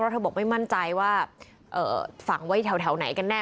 เธอบอกไม่มั่นใจว่าฝังไว้แถวไหนกันแน่